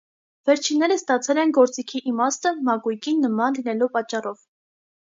Վերջիններս ստացել են գործիքի իմաստը՝ մակույկին նման լինելու պատճառով։